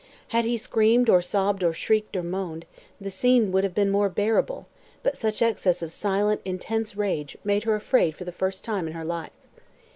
Had he screamed, or sobbed, or shrieked, or moaned, the scene would have been more bearable, but such excess of silent, intense rage, made her afraid for the first time in her life.